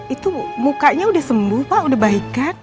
itu mukanya udah sembuh pak udah baik kan